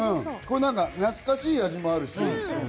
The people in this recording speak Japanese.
なんか懐かしい味もあるし。